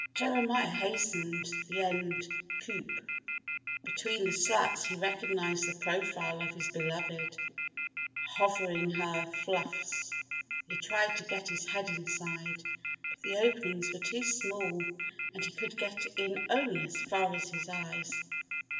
Jeremiah hastened to the end coop. Between the slats he recognized the profile of his beloved, hovering her fluffs. He tried to get his head inside, but the openings were too small and he could get in only as far as his eyes.